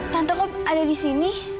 tante aku ada di sini